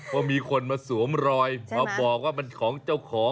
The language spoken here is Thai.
ว่ามีคนมาสวมรอยมาบอกว่ามันของเจ้าของ